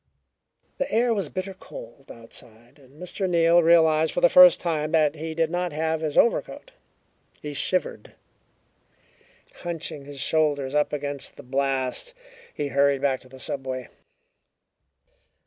The air was bitter cold outside, and Mr. Neal realized for the first time that he did not have his overcoat. He shivered. Hunching his shoulders up against the blast, he hurried back to the subway.